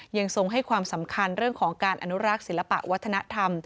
ทรงให้ความสำคัญเรื่องของการอนุรักษ์ศิลปะวัฒนธรรม